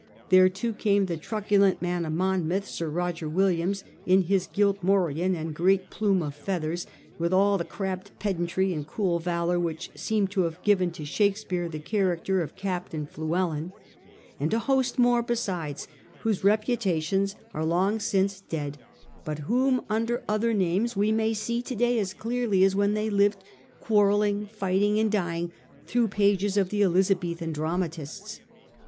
There too came the truculent man of Monmouth, Sir Eoger Williams, in his gilt morion and great plume of feathers, with all the crabbed pedantry and cool valour which seem, to have given to Shakespeare, the character of Captain ^luellen ; and a host more besides whose reputations are long since 176 SI/^ FRANCIS DRAKE chap. dead, but whom under other names we may see to day as clearly as when they lived quarrelling, fighting, and dying through pages of the Elizabethan dramatists.